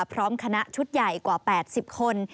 พร้อมคณะชุดใหญ่กว่า๘๐คน